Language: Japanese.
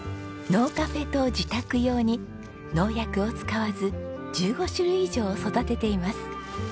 のうカフェと自宅用に農薬を使わず１５種類以上を育てています。